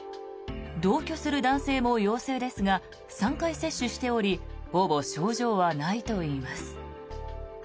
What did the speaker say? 同居する男性も陽性ですが３回接種しておりほぼ症状はないといいます。